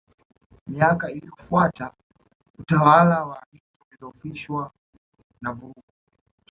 Miaka iliyofuata utawala wa Amin ulidhoofishwa na vurugu